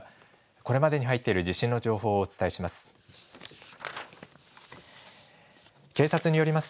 これまでに入っている地震の情報をお伝えします。